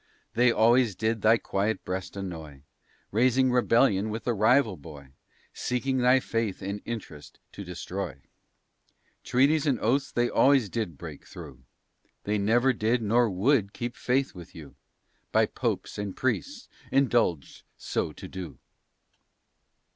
They always did thy quiet breast annoy, Raising rebellion with the Rival boy, Seeking thy faith and interest to destroy. Treaties and oaths they always did break thro', They never did nor would keep faith with you By popes and priests indulged so to do.